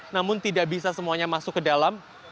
namun tidak bisa semuanya masuk ke dalam